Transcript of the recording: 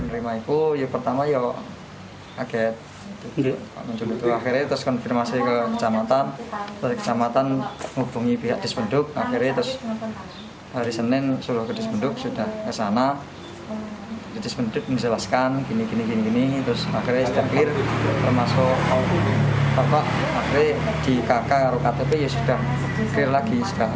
kami sudah clear termasuk bapak pak di kk rukatepi sudah clear lagi sudah aktifkan data terusah